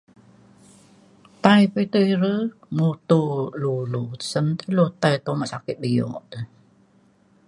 Tai petay mutu ulu sen tei lu tai uma' sakit bio.